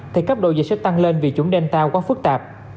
thì cấp độ dịch sẽ tăng lên vì chủng delta quá phức tạp